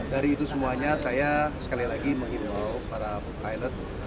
dari itu semuanya saya sekali lagi menghimbau para pilot